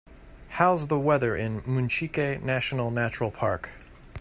How's the weather in Munchique National Natural Park